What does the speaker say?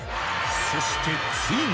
そしてついに。